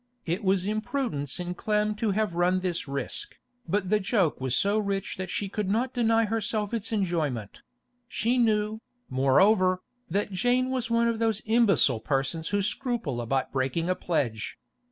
It was imprudence in Clem to have run this risk, but the joke was so rich that she could not deny herself its enjoyment; she knew, moreover, that Jane was one of those imbecile persons who scruple about breaking a pledge.